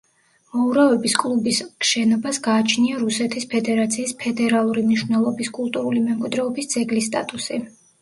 მოურავების კლუბის შენობას გააჩნია რუსეთის ფედერაციის ფედერალური მნიშვნელობის კულტურული მემკვიდრეობის ძეგლის სტატუსი.